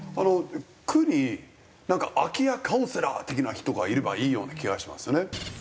区になんか空き家カウンセラー的な人がいればいいような気がしますよね。